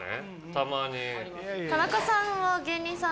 たまに。